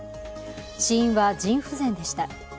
死因は腎不全でした。